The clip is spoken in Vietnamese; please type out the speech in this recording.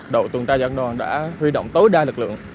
đầu tuần tra giảng đoàn đã huy động tối đa lực lượng